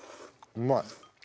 うまい。